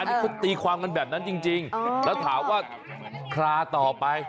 อันนี้เค้าตีความว่านั้นแบบนั้นจริงแล้วถาวว่าคลาต่อไป